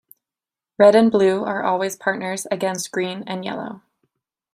Red and blue are always partners against green and yellow.